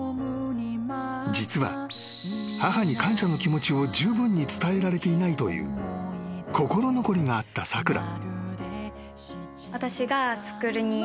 ［実は母に感謝の気持ちをじゅうぶんに伝えられていないという心残りがあったさくら］